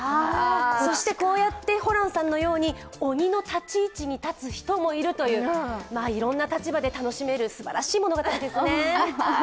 そしてこうやってホランさんのように鬼の立ち位置に立つ人もいるといういろんな立場で楽しめるすばらしい物語ですね。